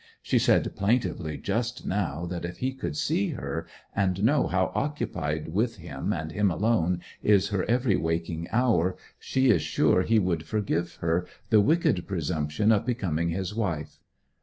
She said plaintively just now that if he could see her, and know how occupied with him and him alone is her every waking hour, she is sure he would forgive her the wicked presumption of becoming his wife.